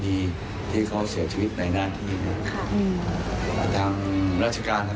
ดีที่เขาเสียชีวิตในหน้าที่เนี้ยค่ะอืมอ่าทางราชการทาง